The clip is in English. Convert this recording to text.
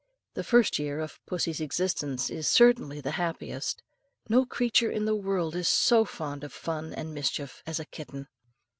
The first year of pussy's existence is certainly the happiest. No creature in the world is so fond of fun and mischief as a kitten.